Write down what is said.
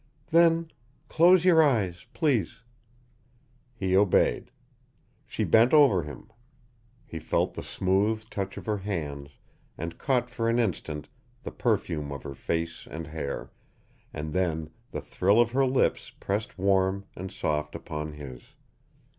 "Then close your eyes, please." He obeyed. She bent over him. He felt the soft touch of her hands and caught for an instant the perfume of her face and hair, and then the thrill of her lips pressed warm and soft upon his.